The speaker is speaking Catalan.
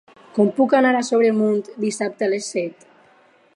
Com puc anar a Sobremunt dissabte a les set?